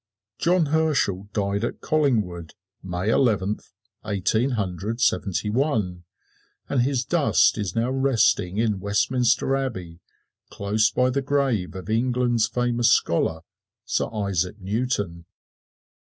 John Herschel died at Collingwood, May Eleventh, Eighteen Hundred Seventy one, and his dust is now resting in Westminster Abbey, close by the grave of England's famous scholar, Sir Isaac Newton.